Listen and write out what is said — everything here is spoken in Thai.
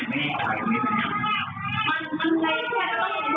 แม่นี่กับฉัน